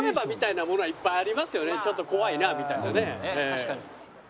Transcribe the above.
確かに。